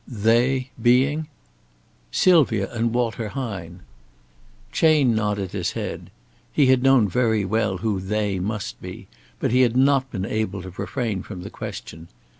"They being " "Sylvia and Walter Hine." Chayne nodded his head. He had known very well who "they" must be, but he had not been able to refrain from the question.